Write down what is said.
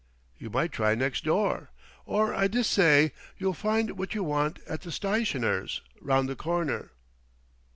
You might try next door, or I dessay you'll find what you want at the stytioner's, round the corner."